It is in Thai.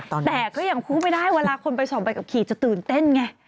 แต่ก็ยังพูดไม่ได้เวลาคนไปส่องใบขับขี่จะตื่นเต้นไง